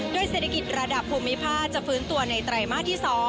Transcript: เศรษฐกิจระดับภูมิภาคจะฟื้นตัวในไตรมาสที่๒